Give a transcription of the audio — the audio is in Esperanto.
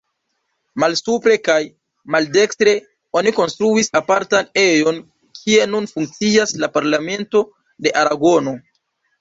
Malsupre kaj, maldekstre, oni konstruis apartan ejon kie nun funkcias la parlamento de Aragono.